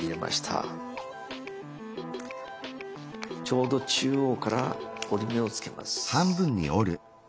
ちょうど中央から折り目をつけます。